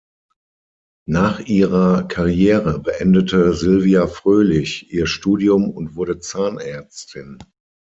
Nach ihrer Karriere beendete Silvia Fröhlich ihr Studium und wurde Zahnärztin.